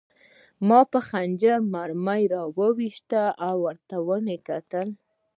ما په خنجر مرمۍ را وویسته او ورته مې وکتل